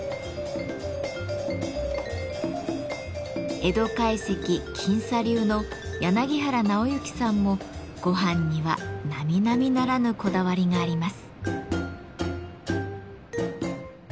江戸懐石近茶流の柳原尚之さんも「ごはん」には並々ならぬこだわりがあります。